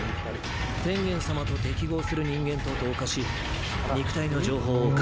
天元様と適合する人間と同化し肉体の情報を書き換える。